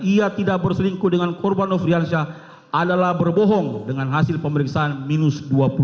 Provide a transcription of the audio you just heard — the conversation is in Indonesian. ia tidak berselingkuh dengan korban nofriansyah adalah berbohong dengan hasil pemeriksaan minus dua puluh